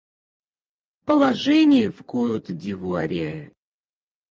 Положение в Кот-д'Ивуаре.